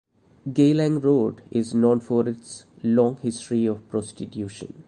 Geylang Road is known for its long history of prostitution.